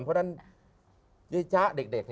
เพราะฉะนั้นเจ๊จ๊ะเด็ก